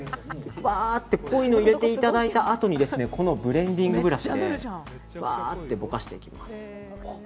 ふわっと濃いのを入れていただいたあとにブレンディングブラシでぼかしていきます。